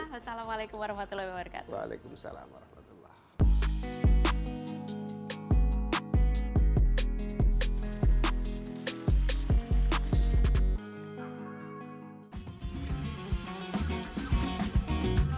wassalamualaikum warahmatullahi wabarakatuh